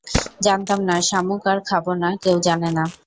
জানতাম না শামুক আর খাবোনা কেউ জানেনা।